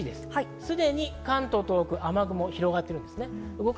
すでに関東と東北、雨雲広がっています。